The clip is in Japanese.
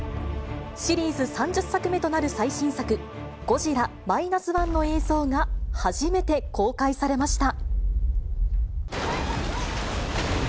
シリーズ３０作目となる最新作、ゴジラ−１．０の映像が初めて公開されました。